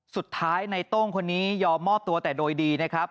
สุดท้ายในโต้งคนนี้ยอมมอบตัวแต่โดยดีนะครับ